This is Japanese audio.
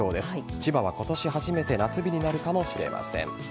千葉は今年初めて夏日になるかもしれません。